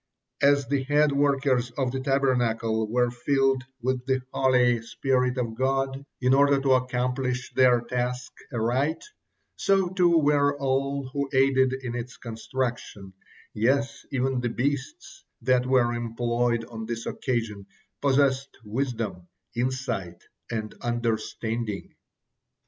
As the head workers of the Tabernacle were filled with the holy spirit of God in order to accomplish their task aright, so too were all who aided in its construction, yes, even the beasts that were employed on this occasion possessed wisdom, insight, and understanding.